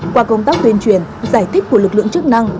qua công tác tuyên truyền giải thích của lực lượng chức năng